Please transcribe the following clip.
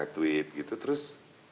tweet gitu terus